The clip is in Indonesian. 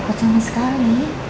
gak repot sama sekali